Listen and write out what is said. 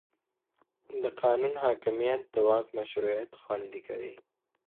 د قانون حاکمیت د واک مشروعیت خوندي کوي